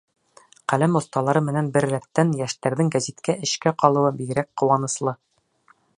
Ҡәләм оҫталары менән бер рәттән йәштәрҙең гәзиттә эшкә ҡалыуы бигерәк ҡыуаныслы.